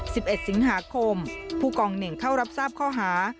สิบเอ็ดสิงหาคมผู้กองเหน่งเข้ารับทราบข้อหา